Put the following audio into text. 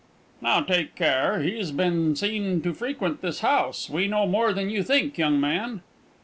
"Now, take care. He's been seen to frequent this house. We know more than you think, young man."